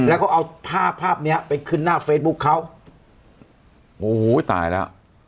แล้วก็เอาภาพภาพเนี้ยไปขึ้นหน้าเฟซบุ๊คเขาโอ้โหตายแล้ว